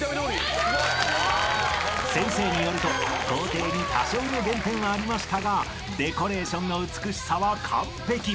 ［先生によると工程に多少の減点はありましたがデコレーションの美しさは完璧］